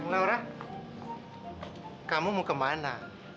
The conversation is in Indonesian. laura kamu mau kemana